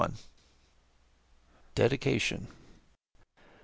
DEDICATION.